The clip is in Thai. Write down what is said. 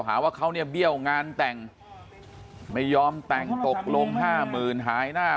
หาว่าเขาเนี่ยเบี้ยวงานแต่งไม่ยอมแต่งตกลงห้าหมื่นหายหน้า